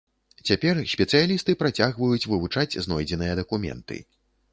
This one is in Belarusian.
Цяпер спецыялісты працягваюць вывучаць знойдзеныя дакументы.